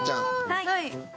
はい。